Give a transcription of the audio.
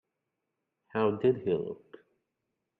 How did he look?